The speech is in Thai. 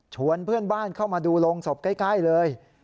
เพื่อนบ้านเข้ามาดูโรงศพใกล้เลย